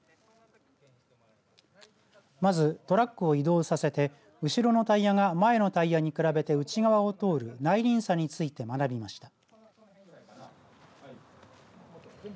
まず、トラックを移動させて後ろのタイヤが前のタイヤに比べて内側を通る内輪差について学びました。